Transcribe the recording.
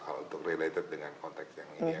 kalau untuk related dengan konteks yang ini